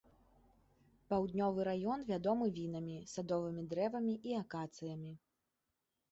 Паўднёвы раён вядомы вінамі, садовымі дрэвамі і акацыямі.